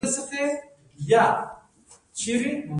د لید د کمیدو د دوام لپاره باید چا ته لاړ شم؟